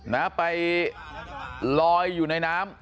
นะไปลอยอยู่ในน้ำ